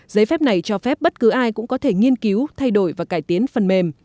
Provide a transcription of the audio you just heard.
giấy phép này cho phép bất cứ ai cũng có thể nghiên cứu thay đổi và cải tiến phần mềm